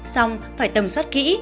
xong phải tầm soát kỹ